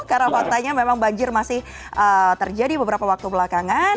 karena faktanya memang banjir masih terjadi beberapa waktu belakangan